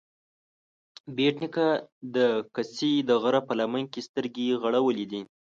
بېټ نيکه د کسې د غره په لمن کې سترګې غړولې دي